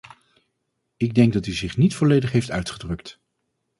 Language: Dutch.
Ik denk dat u zich niet volledig heeft uitgedrukt.